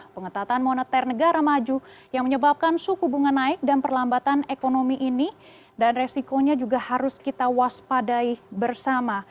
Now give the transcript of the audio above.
pengetatan moneter negara maju yang menyebabkan suku bunga naik dan perlambatan ekonomi ini dan resikonya juga harus kita waspadai bersama